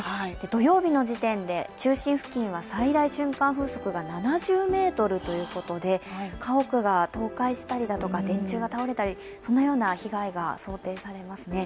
土曜日の時点で、中心付近は最大瞬間風速が７０メートルということで家屋が倒壊したりだとか電柱が倒れたりそのような被害が想定されますね。